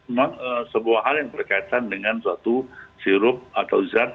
memang sebuah hal yang berkaitan dengan suatu sirup atau zat